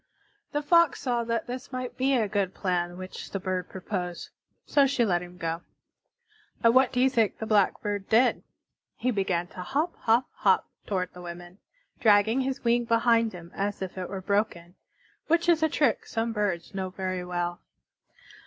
The Fox saw that this might be a good plan which the bird proposed, so she let him go. And what do you think the Blackbird did? He began to hop, hop, hop toward the women, dragging his wing behind him as if it were broken, which is a trick some birds know very well.